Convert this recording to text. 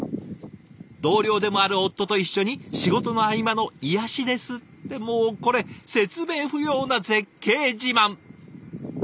「同僚でもある夫と一緒に仕事の合間の癒しです」ってもうこれ説明不要な絶景自慢！